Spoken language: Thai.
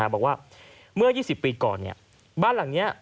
บอกว่าเมื่อ๒๐ปีก่อนบ้านหลังนี้